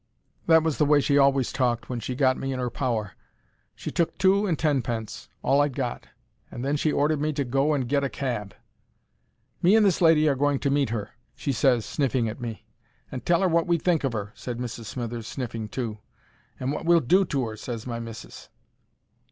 That was the way she always talked when she'd got me in 'er power. She took two and tenpence—all I'd got—and then she ordered me to go and get a cab. "Me and this lady are going to meet her," she ses, sniffing at me. "And tell her wot we think of 'er," ses Mrs. Smithers, sniffing too. "And wot we'll do to 'er," ses my missis.